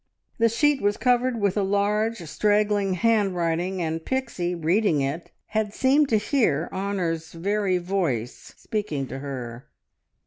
The sheet was covered with a large, straggling handwriting, and Pixie, reading it, had seemed to hear Honor's very voice speaking to her.